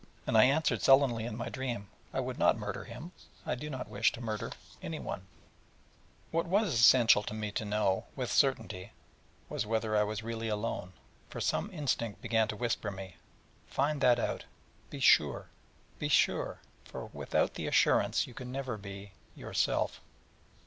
And I answered sullenly in my dream: 'I would not murder him. I do not wish to murder anyone.' What was essential to me was to know, with certainty, whether I was really alone: for some instinct began to whisper me: 'Find that out: be sure, be sure: for without the assurance you can never be yourself.'